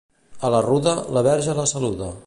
A la ruda, la Verge la saluda.